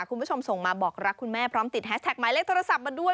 คุณผู้ชมส่งมาบอกรักคุณแม่พร้อมติดแฮชแท็กหมายเลขโทรศัพท์มาด้วย